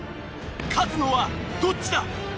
勝つのはどっちだ？